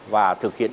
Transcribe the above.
và thực hiện